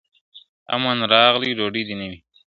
امن راغلی ډوډۍ دي نه وي ..